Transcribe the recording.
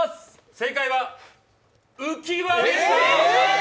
正解は、うきわでした。